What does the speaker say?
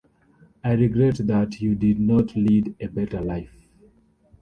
I regret that you did not lead a better life.